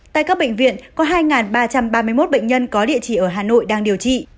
tại các bệnh viện có hai ba trăm ba mươi một bệnh nhân có địa chỉ ở hà nội đang điều trị